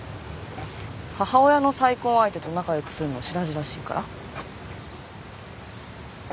母親の再婚相手と仲良くすんのしらじらしいから？